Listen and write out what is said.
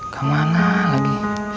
ke mana lagi